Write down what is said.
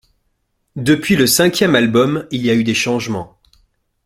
Depuis le cinquième album, il y a eu des changements.